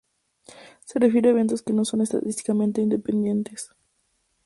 Se refiere a eventos que no son estadísticamente independientes.